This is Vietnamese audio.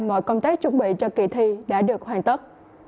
mọi công tác chuẩn bị cho kỳ thi đã được hoàn tất